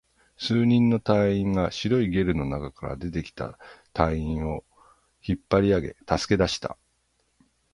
数人の隊員が白いゲルの中から出てきた隊員を引っ張り上げ、助け出した